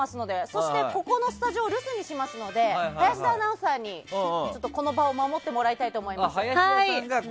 そしてここのスタジオ留守にしますので林田アナウンサーに、この場を守ってもらいたいと思います。